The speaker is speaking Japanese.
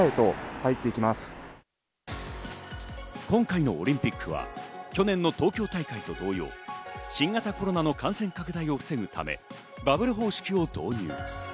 今回のオリンピックは去年の東京大会と同様、新型コロナの感染拡大を防ぐためバブル方式を導入。